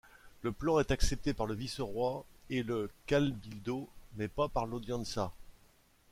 Le plan est accepté par le Vice-roi et le Cabildo, mais pas par l'Audiencia.